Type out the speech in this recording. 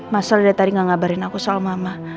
masa udah tadi gak ngabarin aku soal mama